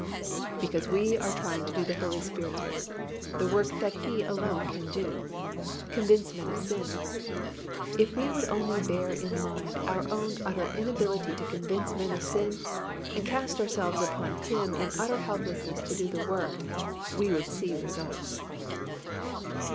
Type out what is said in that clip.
Because we are trying to do the Holy Spirit's work, the work that He alone can do, convince men of sin. If we would only bear in mind our own utter inability to convince men of sin, and cast ourselves upon Him in utter helplessness to do the work, we would see results.